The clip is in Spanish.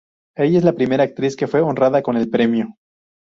Ella es la primera actriz que fue honrada con el premio.